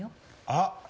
あっ！